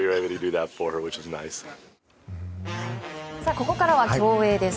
ここからは競泳です。